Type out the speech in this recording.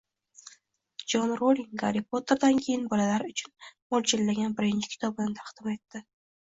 Joan Rouling Garri Potterdan keyin bolalar uchun mo‘ljallangan birinchi kitobini taqdim etdi